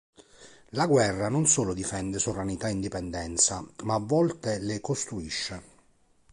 La guerra non solo difende sovranità e indipendenza, ma a volte le costruisce.